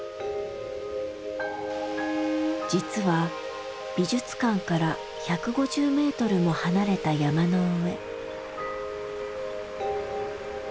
実は美術館から１５０メートルも離れた山の上。